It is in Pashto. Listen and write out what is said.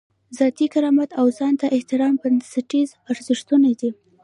ذاتي کرامت او ځان ته احترام بنسټیز ارزښتونه دي.